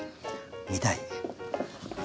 見たい？